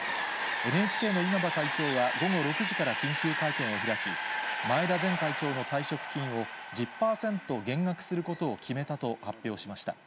ＮＨＫの稲葉会長は午後６時から緊急会見を開き、前田前会長の退職金を１０％減額することを決めたと発表しました。